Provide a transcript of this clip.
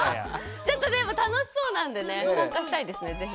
ちょっとでも楽しそうなんでね参加したいですね是非。